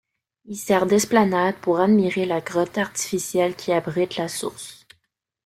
Il sert d'esplanade pour admirer la grotte artificielle qui abrite la source.